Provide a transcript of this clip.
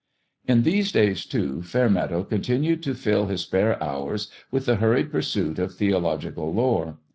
In these days, too, Fairmeadow continued to fill his spare hours with the hurried pursuit of theological lore.